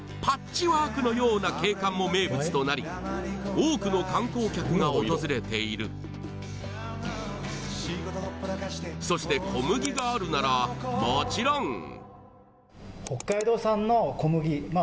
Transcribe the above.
パッチワークのような景観も名物となり多くの観光客が訪れているそして小麦があるならもちろん！